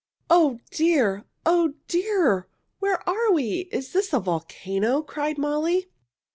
"_] "Oh, dear! Oh, dear! Where are we? Is this a volcano?" cried Molly.